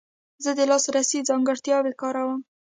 زه د لاسرسي ځانګړتیاوې کاروم.